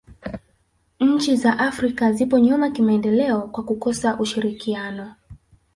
nchi za afrika zipo nyuma kimaendeleo kwa kukosa ushirikiano